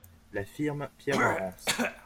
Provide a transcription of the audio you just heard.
La firme Pierre Arens.